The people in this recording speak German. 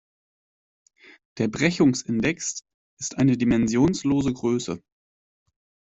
Der Brechungsindex ist eine dimensionslose Größe.